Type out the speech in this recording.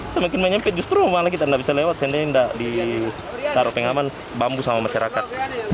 semakin menyempit justru malah kita tidak bisa lewat seandainya tidak ditaruh pengaman bambu sama masyarakat